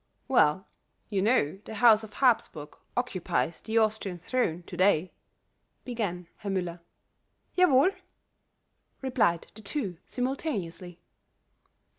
"Well, you know the house of Habsburg occupies the Austrian throne to day," began Herr Müller. "Yawohl," replied the two simultaneously.